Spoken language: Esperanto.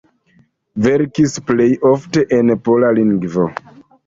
Verkis plej ofte en pola lingvo.